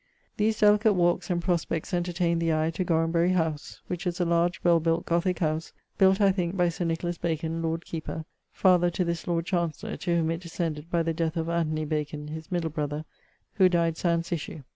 These delicate walkes and prospects entertaine the eie to Gorambery howse, which is a large, well built Gothique howse, built (I thinke) by Sir Nicholas Bacon, Lord Keeper, father to this Lord Chancellor, to whom it descended by the death of Anthony Bacon, his middle brother, who died sans issue.